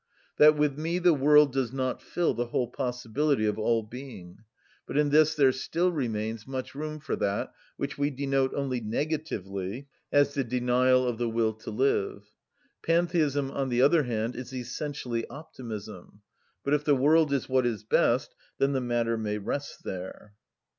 That with me the world does not fill the whole possibility of all being, but in this there still remains much room for that which we denote only negatively as the denial of the will to live. Pantheism, on the other hand, is essentially optimism: but if the world is what is best, then the matter may rest there.